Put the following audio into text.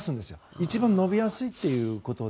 一番伸びやすいということで。